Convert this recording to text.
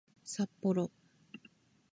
さっぽろ